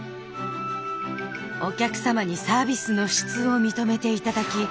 お客様にサービスの質を認めて頂き